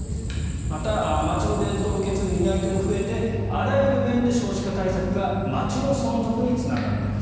また、町の伝統を受け継ぐ担い手も増えてあらゆる面で少子化対策が町の存続につながっています。